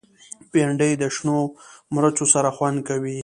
بېنډۍ د شنو مرچو سره خوند کوي